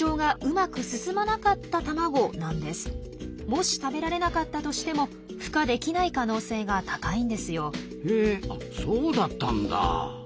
もし食べられなかったとしてもふ化できない可能性が高いんですよ。へあそうだったんだ。